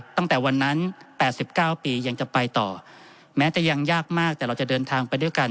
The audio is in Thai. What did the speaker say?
ตั้งแต่วันนั้น๘๙ปียังจะไปต่อแม้จะยังยากมากแต่เราจะเดินทางไปด้วยกัน